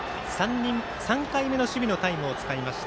３回目の守備のタイムを使いました。